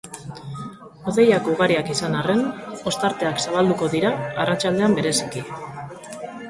Hodeiak ugariak izan arren, ostarteak zabalduko dira, arratsaldean bereziki.